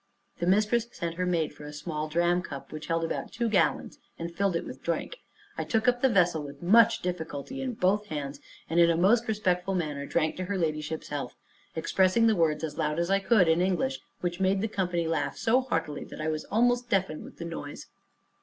The mistress sent her maid for a small dram cup, which held about two gallons, and filled it with drink; I took up the vessel with much difficulty in both hands, and in a most respectful manner drank to her ladyship's health, expressing the words as loud as I could in English, which made the company laugh so heartily that I was almost deafened with the noise.